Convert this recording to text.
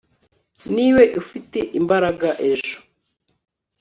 niba ufite imbaraga ejo